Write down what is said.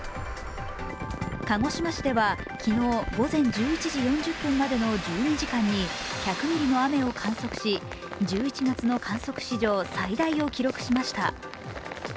鹿児島市では昨日午前１１時４０分までの１２時間に１００ミリの雨を観測し、１１月の観測史上最大を記録しました。